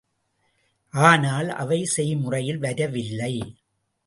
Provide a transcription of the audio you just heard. ஆனால் அவை செய்முறையில் வரவில்லை.